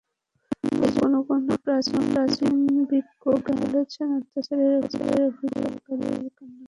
এ জন্যে কোন কোন প্রাচীন বিজ্ঞজন বলেছেন, অত্যাচারের অভিযোগকারীর কান্নাকাটিতে প্রতারিত হয়ো না।